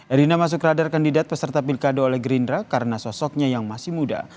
erina masuk radar kandidat peserta pilkada oleh gerindra karena sosoknya yang masih muda